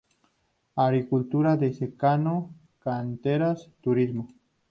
Agricultura de secano, canteras, turismo.